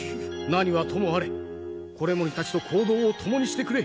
何はともあれ維盛たちと行動を共にしてくれ。